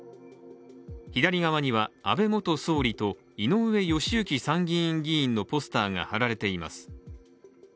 左側には、安倍元総理と井上義行参議院議員のポスターが貼られています。